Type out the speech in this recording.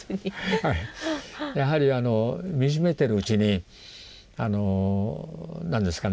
やはり見つめてるうちに何ですかね